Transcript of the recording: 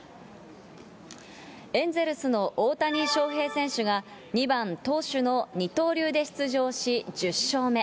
エンゼルスの大谷翔平選手が、２番投手の二刀流で出場し、１０勝目。